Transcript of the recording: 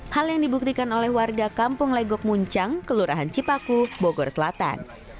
hal yang dibuktikan oleh warga kampung legok muncang kelurahan cipaku bogor selatan